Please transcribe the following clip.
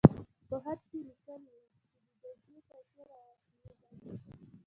په خط کې لیکلي وو چې د ججې پیسې رالېږه.